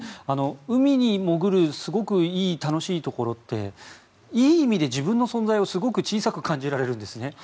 海に潜るすごくいい、楽しいところっていい意味で自分の存在をすごく小さく感じられるんですね。